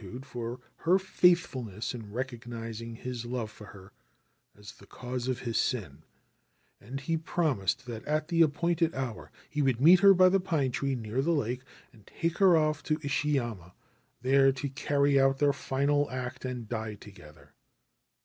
Denbei bowed to his sweetheart, and spoke words of gratitude for her faithfulness in recognising his love for her as the cause of his sin, and he promised that at the appointed hour he would meet her by the pine tree near the lake and take her off to Ishiyama, there to carry out their final act and die together.